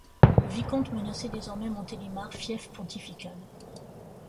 Le vicomte menaçait désormais Montélimar, fief pontifical.